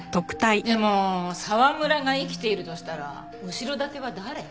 でも沢村が生きているとしたら後ろ盾は誰？